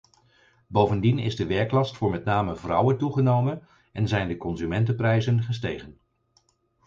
Bovendien is de werklast voor met name vrouwen toegenomen en zijn de consumentenprijzen gestegen.